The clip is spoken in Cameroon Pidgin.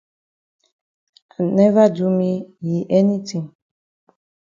I never do me yi anytin.